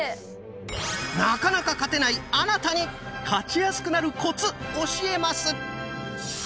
なかなか勝てないあなたに勝ちやすくなるコツ教えます！